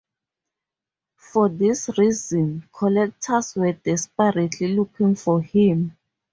For this reason, collectors were desperately looking for him.